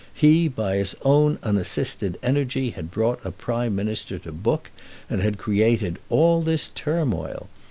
He by his own unassisted energy had brought a Prime Minister to book, and had created all this turmoil.